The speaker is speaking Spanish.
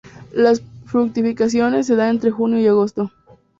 Las fructificación se da entre junio y agosto.